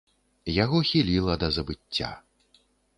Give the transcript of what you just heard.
Яго хіліла да забыцця.